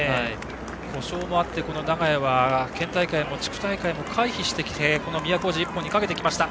故障もあって、長屋は県大会も地区大会も回避してこの都大路一本にかけてきました。